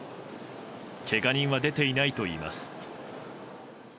けが人は出ていないといいます。